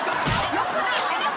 よくない。